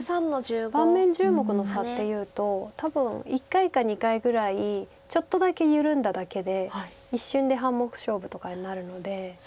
盤面１０目の差っていうと多分１回か２回ぐらいちょっとだけ緩んだだけで一瞬で半目勝負とかになるので。